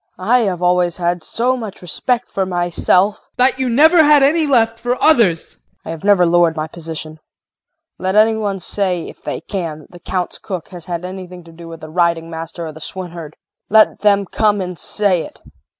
KRISTIN. I have always had so much respect for myself JEAN. That you never had any left for others! KRISTIN. I have never lowered my position. Let any one say, if they can, that the Count's cook has had anything to do with the riding master or the swineherd. Let them come and say it!